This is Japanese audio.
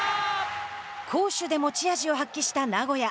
攻守で持ち味を発揮した名古屋。